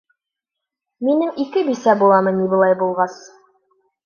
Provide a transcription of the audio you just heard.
Минең ике бисә буламы ни былай булғас?